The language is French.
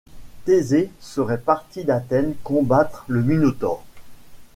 Thésée serait parti d'Athènes combattre le Minotaure.